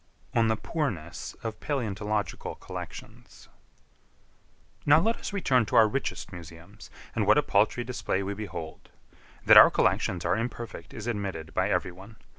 On the Poorness of Palæontological Collections. Now let us turn to our richest museums, and what a paltry display we behold! That our collections are imperfect is admitted by every one.